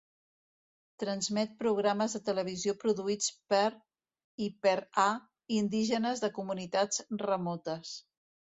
Transmet programes de televisió produïts per, i per a, indígenes de comunitats remotes.